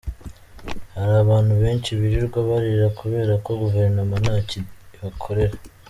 Hari abantu benshi birirwa barira kubera ko guverinoma ntacyo ibakorera.